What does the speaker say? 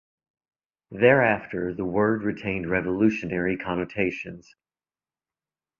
Thereafter, the word retained revolutionary connotations.